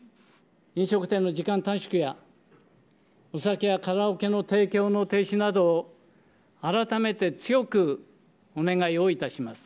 飲食店の時間短縮や、お酒やカラオケの影響の停止などを改めて強くお願いをいたします。